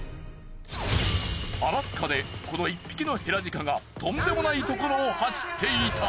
アラスカでこの１匹のヘラジカがとんでもないところを走っていた。